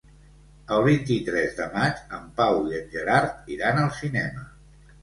El vint-i-tres de maig en Pau i en Gerard iran al cinema.